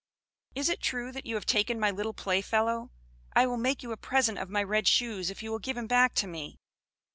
"Is it true that you have taken my little playfellow? I will make you a present of my red shoes, if you will give him back to me."